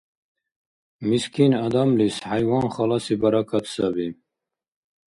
Мискин адамлис хӀяйван халаси баракат саби.